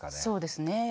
そうですね。